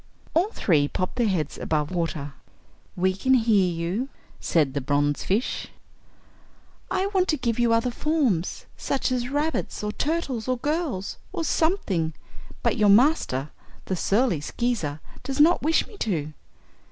All three popped their heads above water. "We can hear you," said the bronzefish. "I want to give you other forms, such as rabbits, or turtles or girls, or something; but your master, the surly Skeezer, does not wish me to.